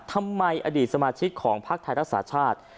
ทำไมอดีตสมาชิกของภักดิ์ไทยรัฐศาสตร์ชาติ